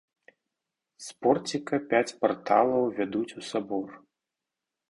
З порціка пяць парталаў вядуць у сабор.